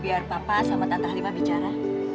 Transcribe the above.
biar papa sama tante lima bicara